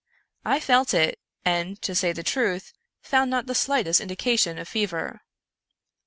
I felt it, and, to say the truth, found not the slightest indication of fever.